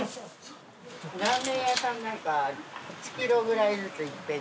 ラーメン屋さんなんかは１キロぐらいずついっぺんに持っていきます。